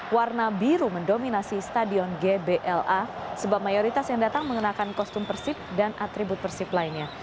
warna biru mendominasi stadion gbla sebab mayoritas yang datang mengenakan kostum persib dan atribut persib lainnya